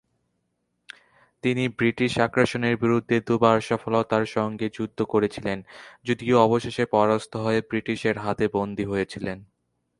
তিনি ব্রিটিশ আগ্রাসনের বিরুদ্ধে দু'বার সফলতার সঙ্গে যুদ্ধ করেছিলেন, যদিও অবশেষে পরাস্ত হয়ে ব্রিটিশের হাতে বন্দী হয়েছিলেন।